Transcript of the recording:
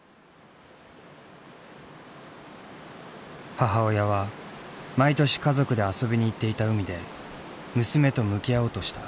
母親は毎年家族で遊びに行っていた海で娘と向き合おうとした。